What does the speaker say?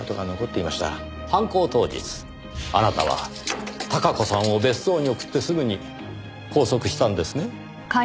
犯行当日あなたは孝子さんを別荘に送ってすぐに拘束したんですね？